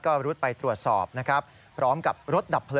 ก็รุดไปตรวจสอบนะครับ